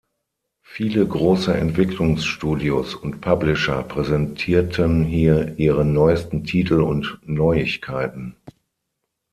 Viele große Entwicklungsstudios und Publisher präsentierten hier ihre neuesten Titel und Neuigkeiten.